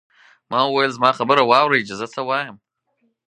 ما وویل زما خبره واورئ چې زه څه وایم.